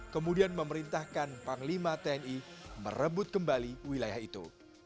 kemudian memerintahkan panglima tni merebut kembali wilayah itu